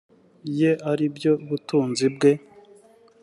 ye ari byo butunzi bwe